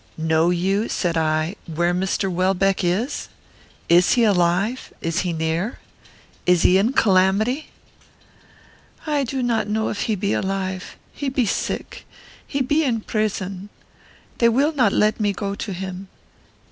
"Know you," said I, "where Mr. Welbeck is? Is he alive? Is he near? Is he in calamity?" "I do not know if he be alive. He be sick. He be in prison. They will not let me go to him.